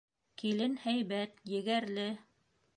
Килен һәйбәт, егәрле.